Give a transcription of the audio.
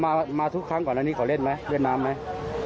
มาทุกครั้งก่อนอันนี้ขอเล่นไหมเล่นน้ำไหม